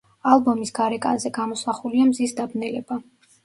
ალბომის გარეკანზე გამოსახულია მზის დაბნელება.